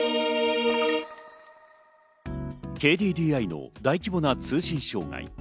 ＫＤＤＩの大規模な通信障害。